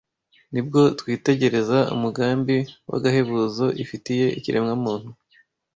ni bwo twitegereza umugambi w’agahebuzo ifitiye ikiremwamuntu